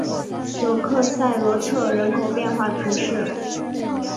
索克塞罗特人口变化图示